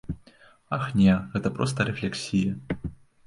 Ах, не, гэта проста рэфлексія.